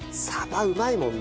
鯖うまいもんね。